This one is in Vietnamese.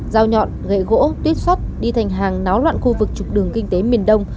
dao nhọn gậy gỗ tuyết sắt đi thành hàng náo loạn khu vực trục đường kinh tế miền đông